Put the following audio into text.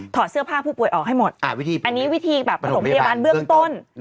เสื้อผ้าผู้ป่วยออกให้หมดอันนี้วิธีแบบประถมพยาบาลเบื้องต้น